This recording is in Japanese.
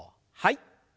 はい。